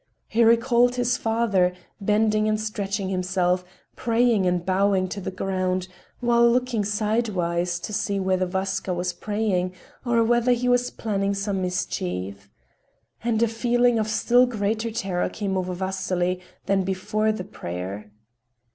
He recalled his father, bending and stretching himself, praying and bowing to the ground, while looking sidewise to see whether Vaska was praying, or whether he was planning some mischief. And a feeling of still greater terror came over Vasily than before the prayer.